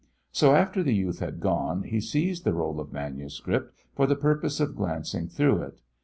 So, after the youth had gone, he seized the roll of manuscript, for the purpose of glancing through it.